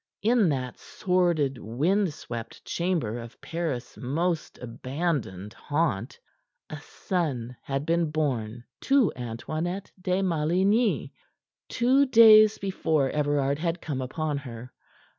In that sordid, wind swept chamber of Paris' most abandoned haunt, a son had been born to Antoinette de Maligny two days before Everard had come upon her.